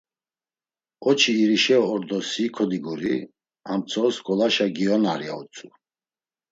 Oçi irişe ordo si kodiguri, ham tzos ngolaşa giyonar, ya utzu.